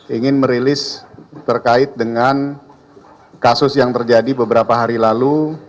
ingin merilis terkait dengan kasus yang terjadi beberapa hari lalu